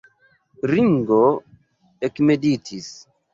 Ringo ekmeditis.